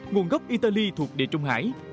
nguồn gốc italy thuộc địa trung hải